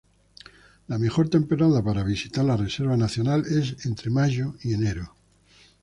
La mejor temporada para visitar la reserva nacional es entre mayo y enero.